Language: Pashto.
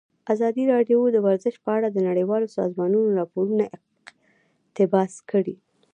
ازادي راډیو د ورزش په اړه د نړیوالو سازمانونو راپورونه اقتباس کړي.